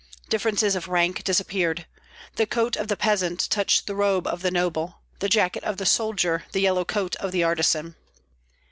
Differences of rank disappeared: the coat of the peasant touched the robe of the noble, the jacket of the soldier the yellow coat of the artisan.